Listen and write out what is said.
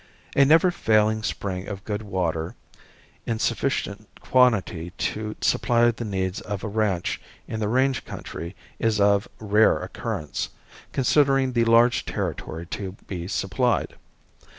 A never failing spring of good water in sufficient quantity to supply the needs of a ranch in the range country is of rare occurrence, considering the large territory to be supplied.